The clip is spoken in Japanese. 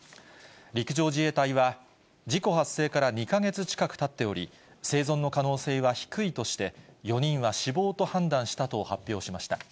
陸上自衛隊は、事故発生から２か月近くたっており、生存の可能性は低いとして、４人は死亡と判断したと発表しました。